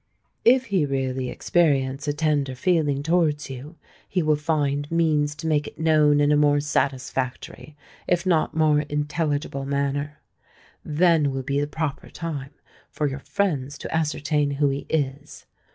If he really experience a tender feeling towards you, he will find means to make it known in a more satisfactory, if not more intelligible manner. Then will be the proper time for your friends to ascertain who he is.